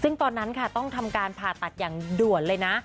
ซึ่งตอนนั้นค่ะต้องทำการผ่าตัดอย่างด่วนเลยนะ